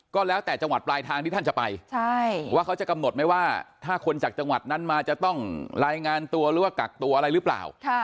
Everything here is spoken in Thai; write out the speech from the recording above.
ก็แล้วแต่จังหวัดปลายทางที่ท่านจะไปว่าเขาจะกำหนดไหมว่าถ้าคนจากจังหวัดนั้นมาจะต้องรายงานตัวหรือว่ากักตัวอะไรหรือเปล่า